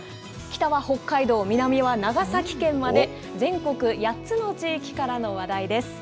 北は北海道、南は長崎県まで、全国８つの地域からの話題です。